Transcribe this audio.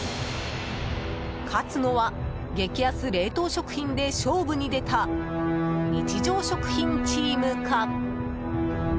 勝つのは、激安冷凍食品で勝負に出た日常食品チームか？